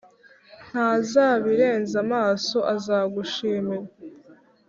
ntazabirenza amaso, azagushimira